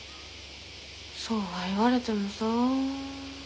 そうは言われてもさ。